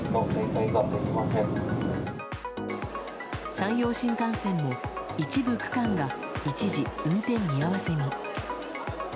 山陽新幹線も一部区間が、一時運転見合わせに。